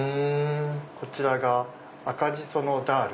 こちらが赤じそのダール。